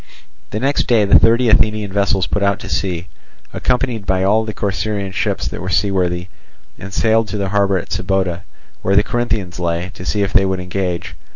The next day the thirty Athenian vessels put out to sea, accompanied by all the Corcyraean ships that were seaworthy, and sailed to the harbour at Sybota, where the Corinthians lay, to see if they would engage.